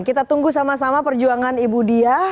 kita tunggu sama sama perjuangan ibu dia